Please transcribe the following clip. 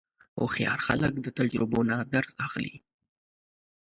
هوښیار خلک د تجربو نه درس اخلي.